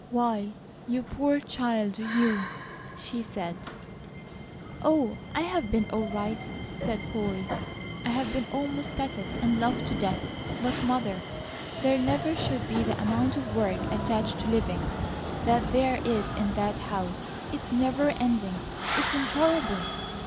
"Why, you poor child you!" she said. "Oh, I've been all right," said Polly. "I've been almost petted and loved to death; but Mother, there never should be the amount of work attached to living that there is in that house. It's never ending, it's intolerable.